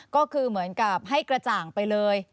ก็คือเหมือนกับให้กระจ่างไปเลย